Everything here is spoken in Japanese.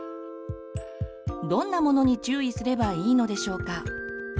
どんなものに注意すればいいのでしょうか？